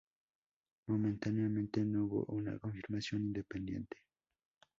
Momentáneamente, no hubo una confirmación independiente.